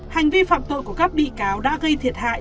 hành vi phạm tội của các bị cáo đã gây thiệt hại